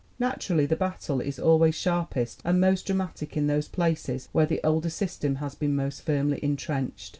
Naturally the battle is always sharpest and most dramatic in those places where the older system has been most firmly intrenched.